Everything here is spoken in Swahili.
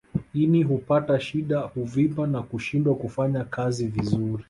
Ini hupata shida huvimba na kushindwa kufanya kazi vizuri